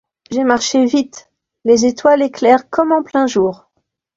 J'ai marché vite, les étoiles éclairent comme en plein jour.